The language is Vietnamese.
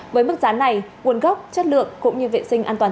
với mức giá này nguồn gốc chất lượng cũng như vệ sinh an toàn